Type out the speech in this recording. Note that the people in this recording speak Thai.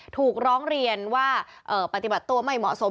ถูกร้องเรียนว่าปฏิบัติตัวไม่เหมาะสม